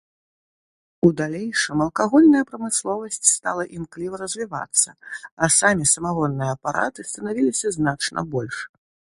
У далейшым алкагольная прамысловасць стала імкліва развівацца, а самі самагонныя апараты станавіліся значна больш.